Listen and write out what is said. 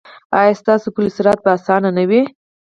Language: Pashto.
ایا ستاسو پل صراط به اسانه وي؟